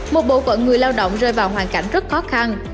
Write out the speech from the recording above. một bộ phận người lao động rơi vào hoàn cảnh rất khó khăn